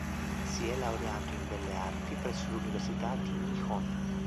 Si è laureato in "belle arti" presso l'università di Nihon.